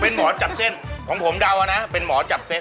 เป็นหมอจับเส้นของผมเดานะเป็นหมอจับเส้น